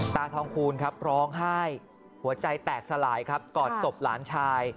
ตาทองคูณครับร้องไห้หัวใจแตกสลายครับกอดศพหลานชาย